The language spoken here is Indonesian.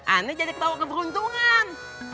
aneh jadi bawa keberuntungan